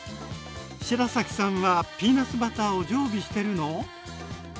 白崎さんはピーナツバターを常備してるの？